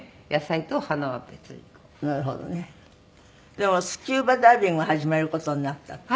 でもスキューバダイビング始める事になったって。